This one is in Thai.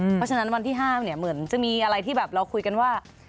เพราะฉะนั้นวันที่๕เนี่ยเหมือนจะมีอะไรที่แบบเราคุยกันว่า